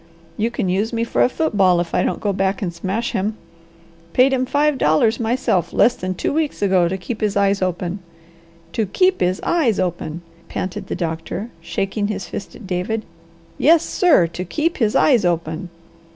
You can use me for a football if I don't go back and smash him. Paid him five dollars myself less than two weeks ago to keep his eyes open. 'TO KEEP HIS EYES OPEN!'" panted the doctor, shaking his fist at David. "Yes sir! 'To keep his eyes open!'